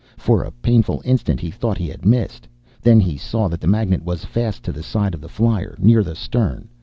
For a painful instant he thought he had missed. Then he saw that the magnet was fast to the side of the flier, near the stern.